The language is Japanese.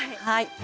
はい。